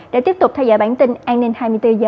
để tiếp tục theo dõi bản tin an ninh hai mươi bốn h